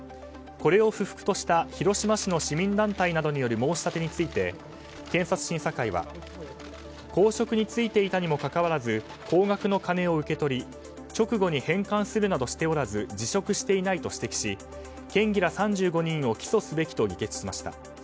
これを不服とした広島市の市民団体などによる申し立てについて検察審査会は、公職に就いていたにもかかわらず高額の金を受け取り直後に返還するなどしておらず辞職していないと指摘し県議ら３５人を起訴すべきと議決しました。